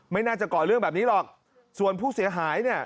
ไม่น่าจะก่อเรื่องแบบนี้หรอกส่วนผู้เสียหายเนี่ย